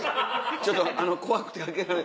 ちょっとあの怖くて開けられ。